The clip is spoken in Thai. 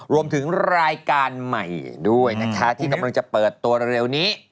รวมถึงรายการใหม่ด้วยนะคะที่กำลังจะเปิดตัวเร็วนี้